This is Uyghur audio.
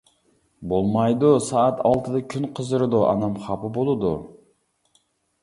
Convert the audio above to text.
-بولمايدۇ، سائەت ئالتىدە كۈن قىزىرىدۇ، ئانام خاپا بولىدۇ.